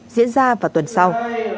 diễn ra vào tuần sau